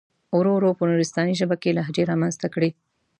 ورو ورو په نورستاني ژبه کې لهجې را منځته کړي.